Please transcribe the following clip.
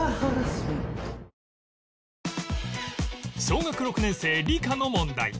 小学６年生理科の問題